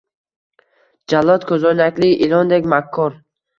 Jallod — ko’zoynakli ilondek makkor